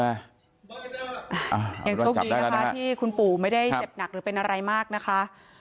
ยังโชคดีนะคะที่คุณปู่ไม่ได้เจ็บหนักหรือเป็นอะไรมากนะคะ